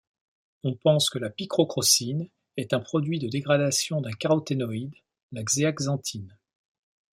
On pense que la picrocrocine est un produit de dégradation d'un caroténoïde, la zéaxanthine.